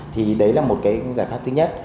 thì đấy là một giải pháp thứ nhất